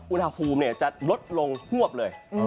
อุณหภูมิจะลดลงฮวบเลย